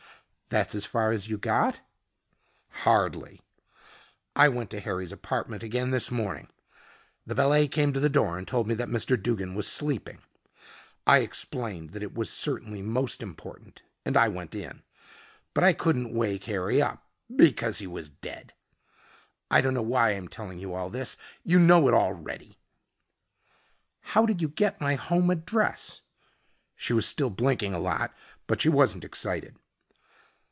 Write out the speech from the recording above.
"That's as far as you got?" "Hardly. I went to Harry's apartment again this morning. The valet came to the door and told me that Mr. Duggin was sleeping. I explained that it was certainly most important and I went in. But I couldn't wake Harry up, because he was dead. I don't know why I'm telling you all this. You know it already." "How did you get my home address?" She was still blinking a lot, but she wasn't excited.